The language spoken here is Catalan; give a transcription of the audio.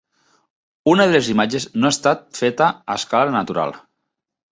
Una de les imatges no ha estat feta a escala natural.